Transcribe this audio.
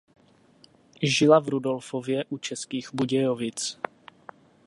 Žila v Rudolfově u Českých Budějovic.